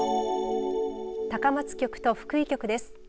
高松局と福井局です。